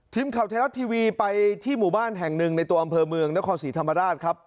ทีมข่าวไทยรัฐทีวีไปที่หมู่บ้านแห่งหนึ่งในตัวอำเภอเมืองนครศรีธรรมราชครับ